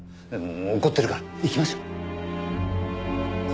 怒ってるから行きましょう。